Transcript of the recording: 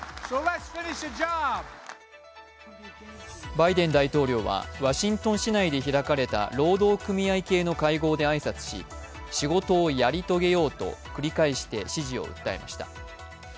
バイデン大統領はワシントン市内で開かれた労働組合系の会合で挨拶し仕事をやり遂げようと繰り返して支持を訴えました。